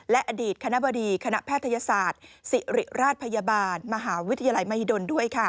และอดีตคณะบดีคณะแพทยศาสตร์ศิริราชพยาบาลมหาวิทยาลัยมหิดลด้วยค่ะ